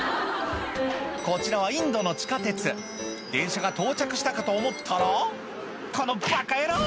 こちらはインドの地下鉄電車が到着したかと思ったら「このバカ野郎！」